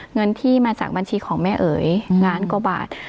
เงินที่มาจากบัญชีของแม่เอ๋ยล้านกว่าบาท